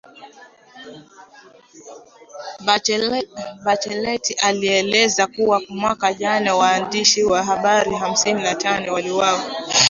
Bachelet alielezea kuwa mwaka jana waandishi wa habari hamsini na tano waliuwawa